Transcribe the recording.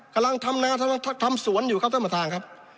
กำลังทำนากำลังทำสวนอยู่ครับท่านประธานครับ